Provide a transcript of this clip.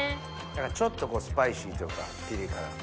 ちょっとスパイシーというかピリ辛。